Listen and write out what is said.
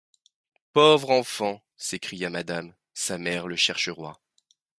Paouvre enfant! s’escria Madame, sa mère le chercheroyt.